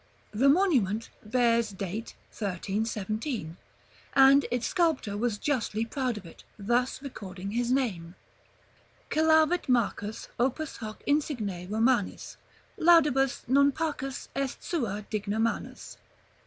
This monument bears date 1317, and its sculptor was justly proud of it; thus recording his name: "CELAVIT MARCUS OPUS HOC INSIGNE ROMANIS, LAUDIBUS NON PARCUS EST SUA DIGNA MANUS."